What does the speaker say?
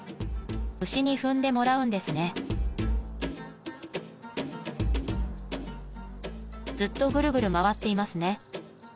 牛に踏んでもらうんですねずっとグルグル回っていますね。